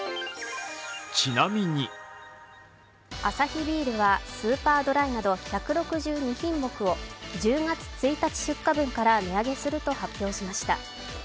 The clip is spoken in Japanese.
アサヒビールはスーパードライなど１６２品目を１０月１日出荷分から値上げすると発表しました。